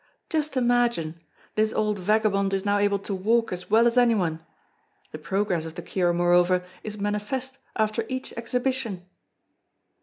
Just imagine! This old vagabond is now able to walk as well as anyone. The progress of the cure, moreover, is manifest after each exhibition!"